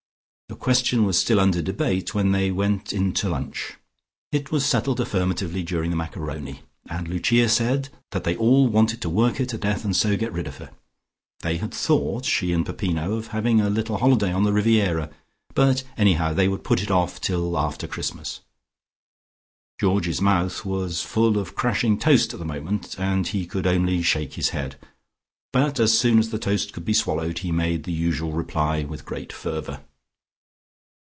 The question was still under debate when they went in to lunch. It was settled affirmatively during the macaroni, and Lucia said that they all wanted to work her to death, and so get rid of her. They had thought she and Peppino of having a little holiday on the Riviera, but anyhow they would put if off till after Christmas. Georgie's mouth was full of crashing toast at the moment, and he could only shake his head. But as soon as the toast could be swallowed, he made the usual reply with great fervour.